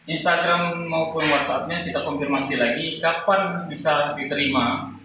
instagram maupun whatsappnya kita konfirmasi lagi kapan bisa diterima